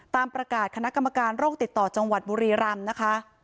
ตามประกาศคณะกรรมการโรคติดต่อจังหวัดบุรีรำนะคะ